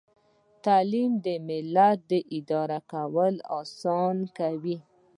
تعلیم د ملت اداره کول اسانه کوي.